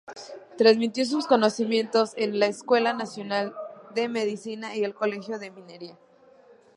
Transmitió sus conocimientos en la Escuela Nacional de Medicina y el Colegio de Minería.